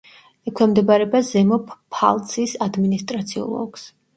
ექვემდებარება ზემო პფალცის ადმინისტრაციულ ოლქს.